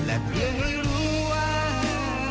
และเพื่อให้รู้ว่า